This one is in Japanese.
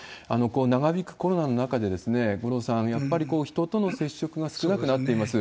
長引くコロナの中で、五郎さん、やっぱり人との接触が少なくなっています。